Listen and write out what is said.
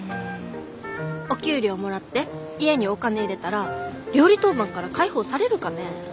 お給料もらって家にお金入れたら料理当番から解放されるかね。